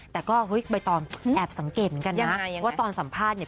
แต่ก็เฮ้ยใบตองแอบสังเกตเหมือนกันนะว่าตอนสัมภาษณ์เนี่ย